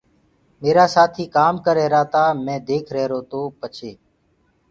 ميرآ سآٿيٚ ڪآم ڪريهرآ تآ مي ديک ريهرو تو پڇي